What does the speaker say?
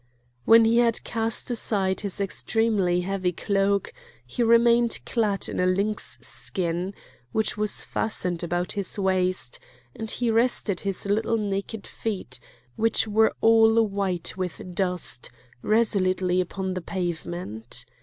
When he had cast aside his extremely heavy cloak, he remained clad in a lynx skin, which was fastened about his waist, and he rested his little naked feet, which were all white with dust, resolutely upon the pavement.